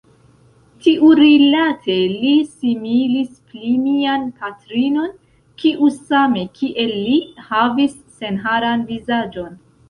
Tiurilate li similis pli mian patrinon, kiu same kiel li, havis senharan vizaĝon.